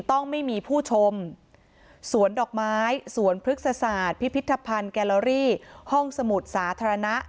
ต้องไม่มีผู้ชมสวนดอกไม้สวนพฤกษศาสตร์พิพิธภัณฑ์แกลลอรี่ห้องสมุดสาธารณะ